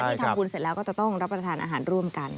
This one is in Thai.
ที่ทำบุญเสร็จแล้วก็จะต้องรับประทานอาหารร่วมกัน